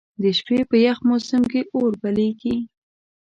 د شپې په یخ موسم کې اور بليږي.